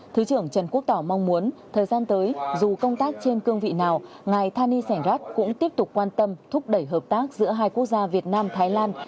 thứ trưởng trần quốc tỏ mong muốn thời gian tới dù công tác trên cương vị nào ngài thani sẻng rak cũng tiếp tục quan tâm thúc đẩy hợp tác giữa hai quốc gia việt nam thái lan